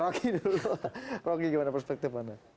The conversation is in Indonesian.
rocky dulu rocky gimana perspektifnya